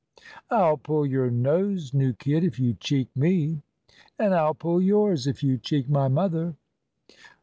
"I'll pull your nose, new kid, if you cheek me." "And I'll pull yours, if you cheek my mother."